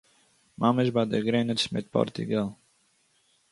ממש ביי דער גרעניץ מיט פּאָרטוגאַל